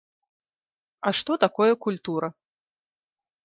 А што такое культура?